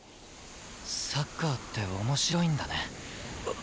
サッカーって面白いんだね。